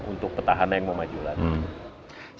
untuk petahanan yang memajulannya